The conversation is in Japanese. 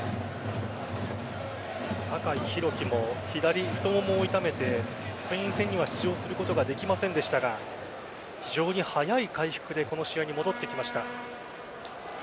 酒井宏樹も左太ももを痛めてスペイン戦には出場することができませんでしたが非常に早い回復でこの試合に戻ってきました。